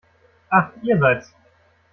Ach, ihr seid's!